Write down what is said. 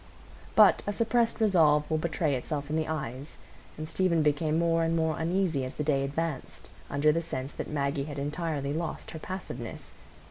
But a suppressed resolve will betray itself in the eyes, and Stephen became more and more uneasy as the day advanced, under the sense that Maggie had entirely lost her passiveness.